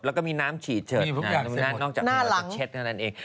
แล้วก็มีน้ำฉีดเฉิดน้ำนอกจากเช็ดเท่านั้นเอง